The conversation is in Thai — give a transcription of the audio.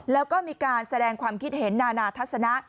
แล้วก็มีการแสดงความคิดเห็นนานาทัศนะ